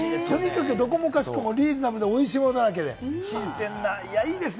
どこもかしこもリーズナブルでおいしいものだらけで新鮮な、いいですね。